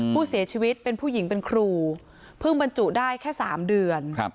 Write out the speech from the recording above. ผู้เสียชีวิตเป็นผู้หญิงเป็นครูเพิ่งบรรจุได้แค่๓เดือน